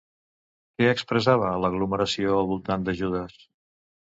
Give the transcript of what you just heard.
Què expressava l'aglomeració al voltant de Judas?